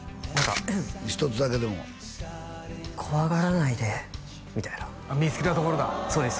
一つだけでも「怖がらないで」みたいな見つけたところだそうです